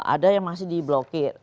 ada yang masih diblokir